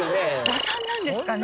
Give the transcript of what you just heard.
打算なんですかね。